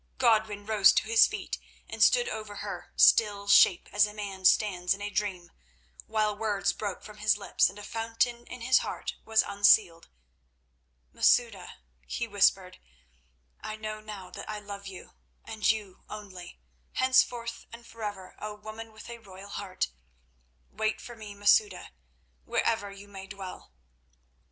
Godwin rose to his feet and stood over her still shape as a man stands in a dream, while words broke from his lips and a fountain in his heart was unsealed. "Masouda," he whispered, "I know now that I love you and you only, henceforth and forever, O woman with a royal heart. Wait for me, Masouda, wherever you may dwell."